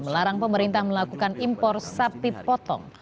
melarang pemerintah melakukan impor sapi potong